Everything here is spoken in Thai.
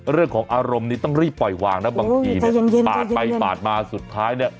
เรื่องของอารมณ์นี้ต้องรีบปล่อยวางนะบางทีเนี่ยปาดไปปาดมาสุดท้ายเนี่ย